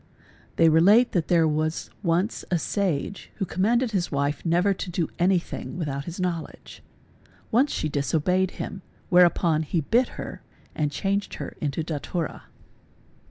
They relate that there was once a sage who commanded his wife ._ never to do anything without his knowledge. Once she disobeyed him: _ whereupon he bit her and changed her into datura.